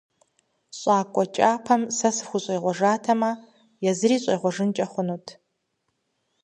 ЩӀакӀуэ кӀапэм сэ сыхущӀегъуэжатэмэ, езыри щӀегъуэжынкӀэ хъунут.